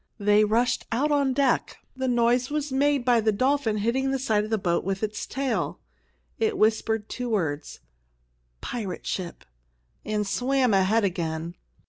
They rushed out on deck. The noise was made by the dolphin hitting the side of the boat with its tail. It whispered two words, "Pirate Ship," and swam ahead again.